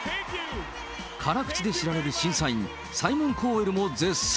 辛口で知られる審査員、サイモン・コーウェルも絶賛。